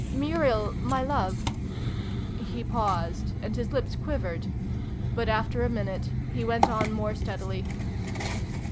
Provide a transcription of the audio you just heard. " Muriel my love " he paused, and his lips quivered : but after a minute he went on more steadily.